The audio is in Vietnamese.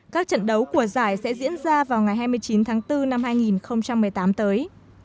các trận đấu của giải sẽ diễn ra vào ngày hai mươi chín tháng bốn năm hai nghìn một mươi tám tới